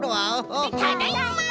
ただいま！